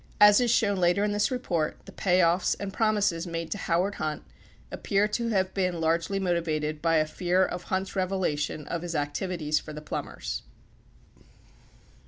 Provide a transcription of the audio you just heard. As is shown later in this report, the payoffs and prom ises made to Howard Hunt appear to have been largely motivated by a fear of Hunt's revelation of his activities for the Plumbers.